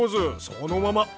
そのまま。